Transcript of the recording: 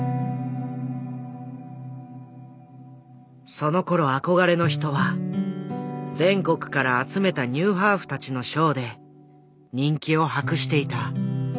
そのころ憧れの人は全国から集めたニューハーフたちのショーで人気を博していた。